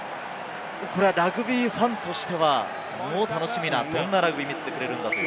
これはラグビーファンとしては楽しみな、どんなラグビーをしてくれるんだという。